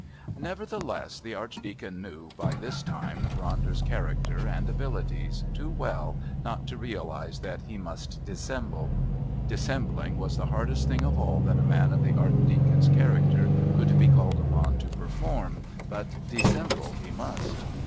Nevertheless the Archdeacon knew, by this time, Ronder's character and abilities too well not to realise that he must dissemble. Dissembling was the hardest thing of all that a man of the Archdeacon's character could be called upon to perform, but dissemble he must.